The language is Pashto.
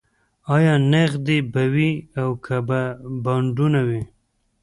ایا نغدې به وي او که به بانډونه وي